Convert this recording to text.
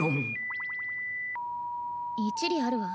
一理あるわ。